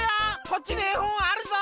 こっちにえほんあるぞ。